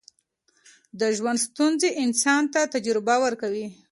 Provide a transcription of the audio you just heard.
د ژوند ستونزې انسان ته تجربه ورکوي.